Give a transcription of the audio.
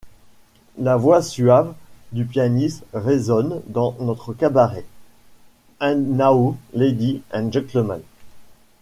La voix suave du pianiste résonne dans notre cabaret :— And now, Ladies and Gentlemen. ..